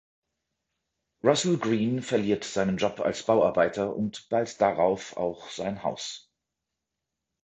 Russell Greene verliert seinen Job als Bauarbeiter und bald darauf auch sein Haus.